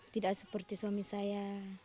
tidak seperti suami saya